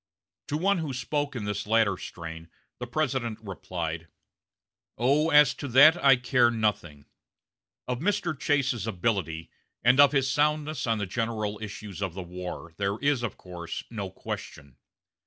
To one who spoke in this latter strain the President replied: "Oh, as to that I care nothing. Of Mr. Chase's ability, and of his soundness on the general issues of the war, there is, of course, no question.